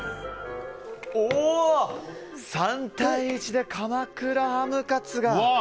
３対１で鎌倉ハムカツが。